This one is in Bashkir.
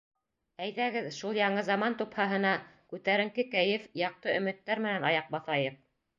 Әйҙәгеҙ, шул яңы заман тупһаһына күтәренке кәйеф, яҡты өмөттәр менән аяҡ баҫайыҡ.